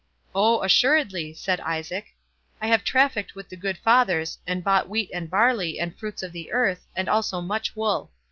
"O, assuredly," said Isaac. "I have trafficked with the good fathers, and bought wheat and barley, and fruits of the earth, and also much wool.